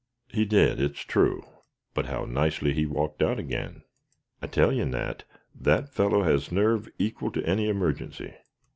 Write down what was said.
"He did, it is true, but how nicely he walked out again. I tell you, Nat, that fellow has nerve equal to any emergency.